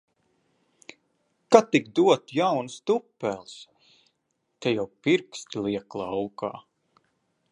Ka tik dotu jaunas tupeles! Te jau pirksti liek laukā.